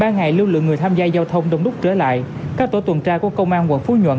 ba ngày lưu lượng người tham gia giao thông đông đúc trở lại các tổ tuần tra của công an quận phú nhuận